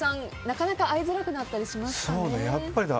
なかなか会いづらくなりますからね。